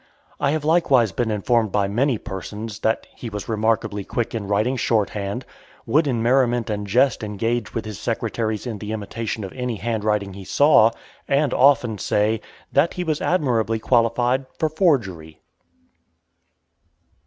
I have likewise been informed by many persons, that he was remarkably quick in writing short hand, would in merriment and jest engage with his secretaries in the imitation of any hand writing he saw, and often say, "that he was admirably qualified for forgery."